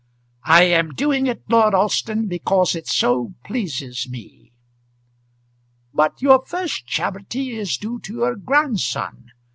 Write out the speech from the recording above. "I am doing it, Lord Alston, because it so pleases me." "But your first charity is due to your grandson.